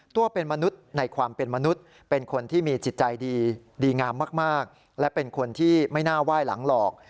ตัวเป็นมนุษย์ในความเป็นมนุษย์เป็นคนที่มีจิตใจดีงามมากและเป็นคนที่ไม่น่าไหว้หลังหรอก